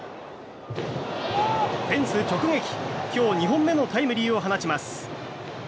フェンス直撃、今日２本目のタイムリーを放ちます。